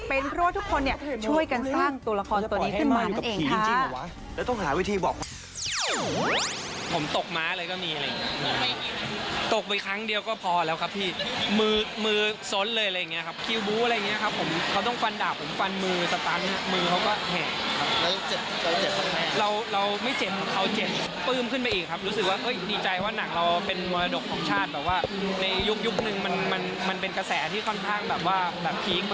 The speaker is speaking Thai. เป็นเพราะว่าทุกคนเนี่ยช่วยกันสร้างตัวละครตัวนี้ขึ้นมาอยู่กับผีจริง